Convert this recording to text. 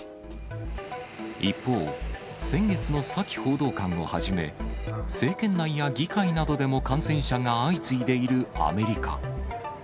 一方、先月のサキ報道官をはじめ、政権内や議会などでも感染者が相次いでいるアメリカ。